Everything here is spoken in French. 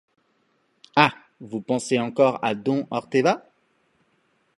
Ah ! vous pensez encore à don Orteva !..